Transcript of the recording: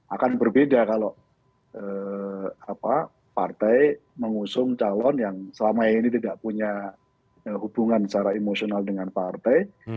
akan berbeda kalau partai mengusung calon yang selama ini tidak punya hubungan secara emosional dengan partai